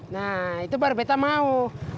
nah itu baru peta mau